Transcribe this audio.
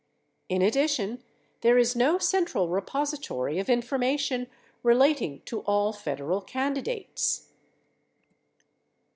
In addition there is no central repository of information relating to all Federal candidates.